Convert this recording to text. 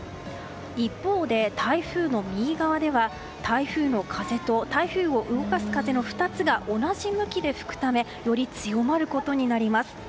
一方で、台風の右側では台風の風と台風を動かす風の２つが同じ向きで吹くためより強まることになります。